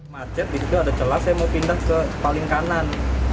macet disitu ada celah saya mau pindah ke paling kanan